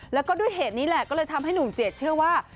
แล้วก็ด้วยเหตุนี้แหละก็เลยทำให้หนุ่มเจดเชื่อว่า